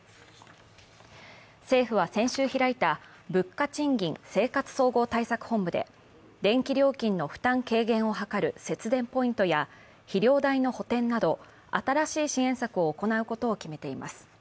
政府は先週開いた物価・賃金・生活総合対策本部で、電気料金の負担軽減を図る節電ポイントや、肥料代の補填など新しい支援策を行うことを決めています。